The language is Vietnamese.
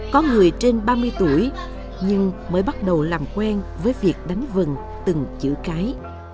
có người trên ba mươi tuổi nhưng mới bắt đầu làm quen với việc đánh vần từng chữ cái